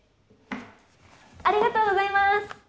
ありがとうございます！